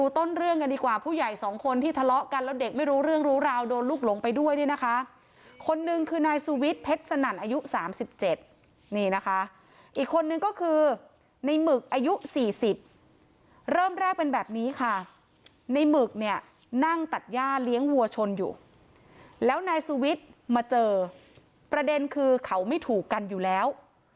ต้นเรื่องกันดีกว่าผู้ใหญ่สองคนที่ทะเลาะกันแล้วเด็กไม่รู้เรื่องรู้ราวโดนลูกหลงไปด้วยเนี่ยนะคะคนนึงคือนายสุวิทย์เพชรสนั่นอายุ๓๗นี่นะคะอีกคนนึงก็คือในหมึกอายุ๔๐เริ่มแรกเป็นแบบนี้ค่ะในหมึกเนี่ยนั่งตัดย่าเลี้ยงวัวชนอยู่แล้วนายสุวิทย์มาเจอประเด็นคือเขาไม่ถูกกันอยู่แล้ว